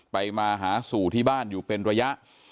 มาหาสู่ที่บ้านอยู่เป็นระยะ